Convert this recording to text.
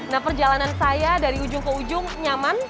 nah perjalanan saya dari ujung ke ujung nyaman